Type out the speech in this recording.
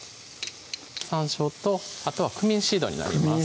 さんしょうとあとはクミンシードになります